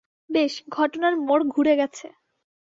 বেশ, ঘটনার মোড় ঘুরে গেছে।